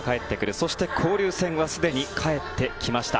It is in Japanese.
そして、交流戦はすでに帰ってきました。